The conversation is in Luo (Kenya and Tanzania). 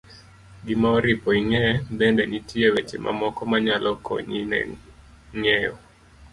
gima oripo ing'e bende, nitie weche mamoko ma nyalo konyi ng'eyo